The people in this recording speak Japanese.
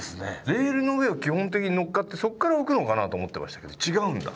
レールの上を基本的にのっかってそっから浮くのかなと思ってましたけど違うんだ。